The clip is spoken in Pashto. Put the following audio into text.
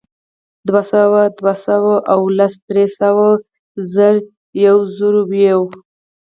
دوهسوه، دوه سوه او لس، درې سوه، زر، یوزرویو